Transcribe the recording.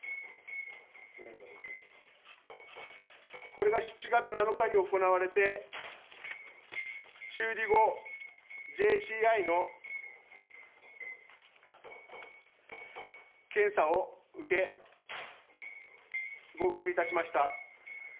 これが７月７日に行われて修理後、ＪＣＩの検査を受け合格いたしました。